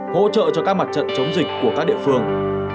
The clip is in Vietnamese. hỗ trợ cho các mặt trận chống dịch của các địa phương